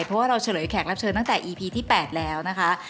เพราะว่าเราเฉลยแขกรับเชิญตั้งแต่อีพีที่๘แล้วนะคะ